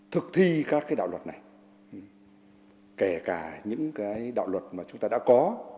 thực thi các cái đạo luật này kể cả những cái đạo luật mà chúng ta đã có